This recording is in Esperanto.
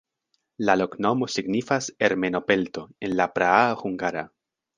La loknomo signifas ermeno-pelto en la praa hungara.